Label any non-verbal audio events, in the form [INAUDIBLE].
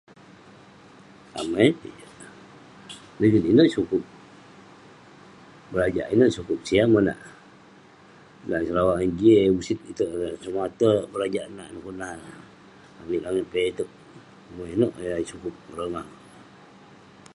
Amai peh jak. Rigit inouk eh sukup, berajak inouk eh sukup, siah monak. Dan neh Sarawak Energy eh usit itouk, somah ate berajak nak neh kunah avik langit piak itouk, [UNINTELLIGIBLE] sukup ngerongah kek.